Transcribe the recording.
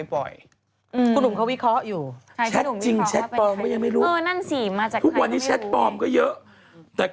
พลิกทุกครั้งที่แต่ละคนออกมา